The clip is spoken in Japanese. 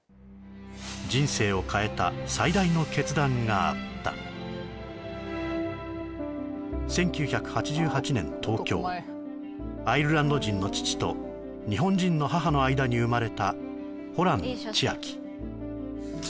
人生を変えた最大の決断があった１９８８年東京アイルランド人の父と日本人の母の間に生まれたホラン千秋